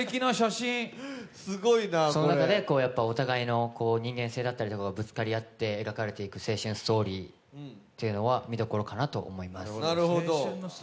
その中でお互いの人間性だったりぶつかり合う青春ストーリーというのは見どころかなと思います。